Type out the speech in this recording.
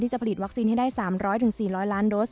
จะผลิตวัคซีนให้ได้๓๐๐๔๐๐ล้านโดส